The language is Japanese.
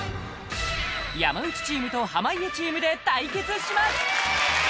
山内チームと濱家チームで対決します！